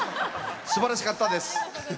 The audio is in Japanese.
すばらしかったです。